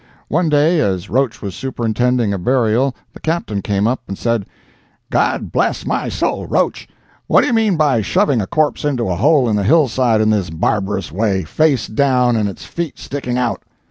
One day as Roach was superintending a burial the Captain came up and said: "God bless my soul, Roach, what do you mean by shoving a corpse into a hole in the hill side in this barbarous way, face down and its feet sticking out?"